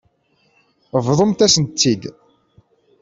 Bḍumt-asent-tt-id.